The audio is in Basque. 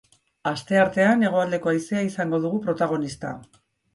Asteartean hegoealdeko haizea izango dugu protagonista.